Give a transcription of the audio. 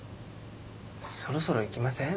そろそろ行きません？